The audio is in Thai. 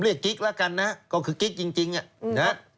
ผมเรียกกิ๊กแล้วกันนะก็คือกิ๊กจริงนะ